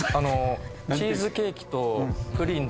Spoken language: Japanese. チーズケーキとプリンと。